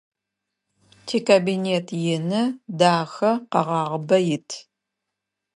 Тикабинет ины, дахэ, къэгъагъыбэ ит.